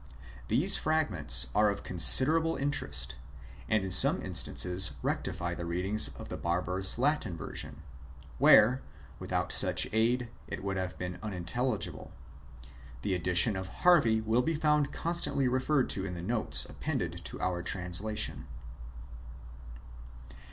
These fragments are of considerable interest, and in some instances rectify the readings of the barbarous Latin version, where, without such aid, it would have been unintelligible. The edition of Harvey will be found constantly referred to in the notes appended to our translation.